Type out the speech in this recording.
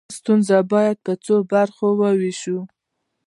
ستونزه باید په څو برخو وویشو.